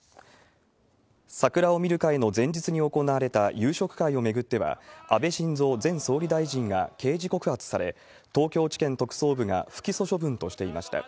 桜を見る会の前日に行われた夕食会を巡っては、安倍晋三前総理大臣が刑事告発され、東京地検特捜部が不起訴処分としていました。